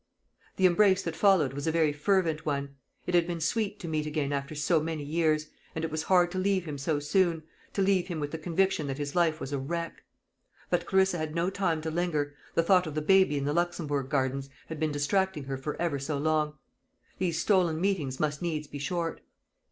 The embrace that followed was a very fervent one. It had been sweet to meet again after so many years, and it was hard to leave him so soon to leave him with the conviction that his life was a wreck. But Clarissa had no time to linger. The thought of the baby in the Luxembourg Gardens had been distracting her for ever so long. These stolen meetings must needs be short.